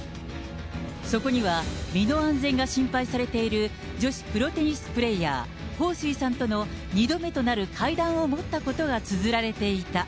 そこには、身の安全が心配されている女子プロテニスプレーヤー、彭帥さんとの２度目となる会談を持ったことがつづられていた。